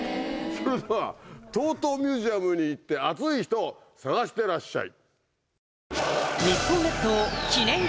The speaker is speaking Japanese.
それでは「ＴＯＴＯミュージアム」に行ってアツい人を探してらっしゃい！